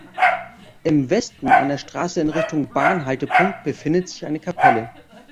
Im Westen an der Straße in Richtung Bahn-Haltepunkt befindet sich eine Kapelle.